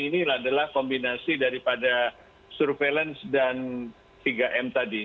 ini adalah kombinasi daripada surveillance dan tiga m tadi